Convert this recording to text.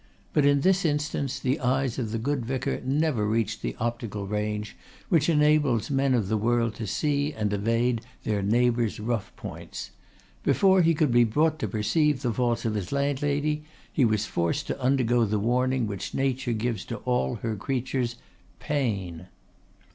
But in this instance the eyes of the good vicar never reached the optical range which enables men of the world to see and evade their neighbours' rough points. Before he could be brought to perceive the faults of his landlady he was forced to undergo the warning which Nature gives to all her creatures pain.